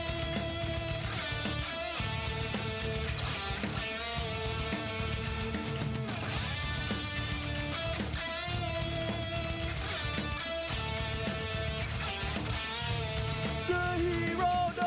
ตอนนี้มวยกู้ที่๓ของรายการ